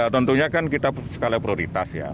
tentunya kan kita sekalian prioritas ya